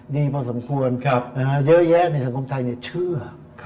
ดีพอสมควรเยอะแยะในสังคมไทยเชื่อ